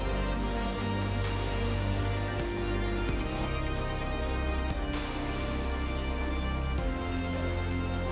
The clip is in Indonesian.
terima kasih pak